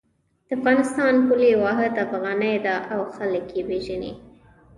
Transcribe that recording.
د افغانستان پولي واحد افغانۍ ده او خلک یی پیژني